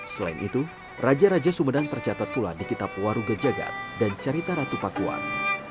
selain itu raja raja sumedang tercatat pula di kitab warugajagat dan cerita ratu pakuang